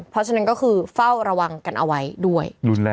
เพราะฉะนั้นก็คือเฝ้าระวังกันเอาไว้ด้วย